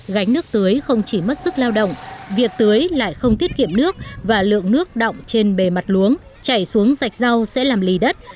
gánh nước tưới không chỉ mất sức lao động việc tưới lại không tiết kiệm nước và lượng nước động trên bề mặt luống chảy xuống rạch rau sẽ làm lì đất